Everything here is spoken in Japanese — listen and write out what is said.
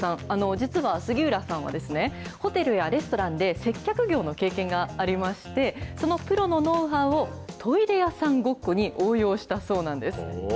実は杉浦さんは、ホテルやレストランで接客業の経験がありまして、そのプロのノウハウを、トイレ屋さんごっこに応用したそうなんです。